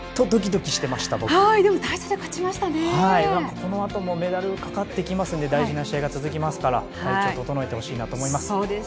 このあともメダルがかかってきますので大事な試合が続きますから体調整えてほしいなと思います。